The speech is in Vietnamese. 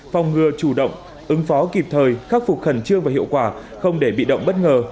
phòng ngừa chủ động ứng phó kịp thời khắc phục khẩn trương và hiệu quả không để bị động bất ngờ